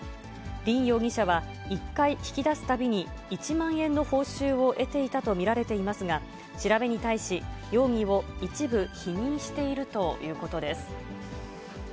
林容疑者は、１回引き出すたびに１万円の報酬を得ていたと見られていますが、調べに対し、容疑を一部否認しているということです。